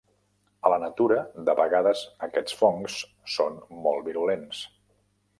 A la natura de vegades aquests fongs són molt virulents.